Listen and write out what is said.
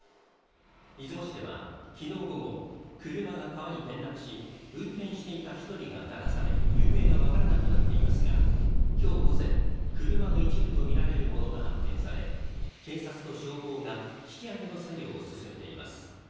出雲市では昨日午後、車が川に転落し、運転していた１人が流され行方が分からなくなっていますが今日午前、車の一部とみられるものが発見され警察と消防が引き揚げの作業を進めています。